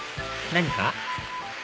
何か？